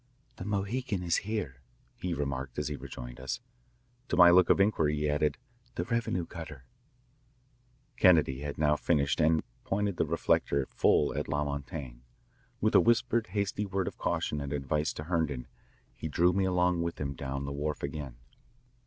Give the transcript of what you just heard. "The Mohican is here," he remarked as he rejoined us. To my look of inquiry he added, "The revenue cutter." Kennedy had now finished and had pointed the reflector full at La Montaigne. With a whispered hasty word of caution and advice to Herndon, he drew me along with him down the wharf again.